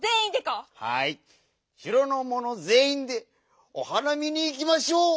しろのものぜんいんでお花見にいきましょう！